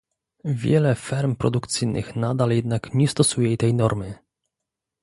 Wiele ferm produkcyjnych nadal jednak nie stosuje tej normy